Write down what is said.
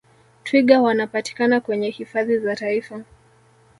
twiga Wanapatikana kwenye hifadhi za taifa